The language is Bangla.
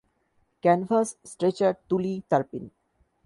ক্যানভাস, স্ট্রেচার, তুলি, তারপিন।